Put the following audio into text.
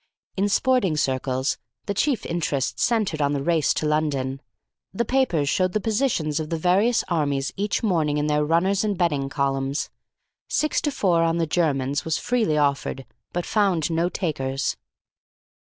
In sporting circles the chief interest centered on the race to London. The papers showed the positions of the various armies each morning in their Runners and Betting columns; six to four on the Germans was freely offered, but found no takers.